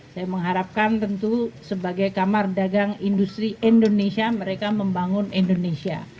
saya mengharapkan tentu sebagai kamar dagang industri indonesia mereka membangun indonesia